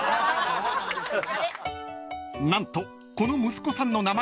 ［何とこの息子さんの名前は］